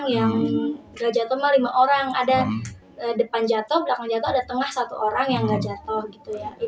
yang letih letih akan rerusmuk bury badan efecto ati